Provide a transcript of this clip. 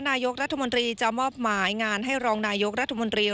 นายกรัฐมนตรีจะมอบหมายงานให้รองนายกรัฐมนตรี